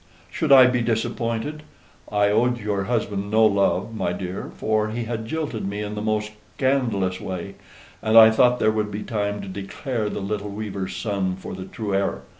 "Should I be disappointed I owed your husband no love, my dear, for he had jilted me in the most scandalous way and I thought there would be time to declare the little weaver's son for the true heir.